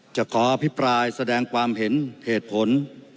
ขออภิปรายแสดงความเห็นเหตุผล